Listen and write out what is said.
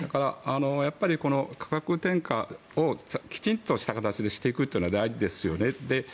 この価格転嫁をきちんとした形でしていくのは大事ですよね。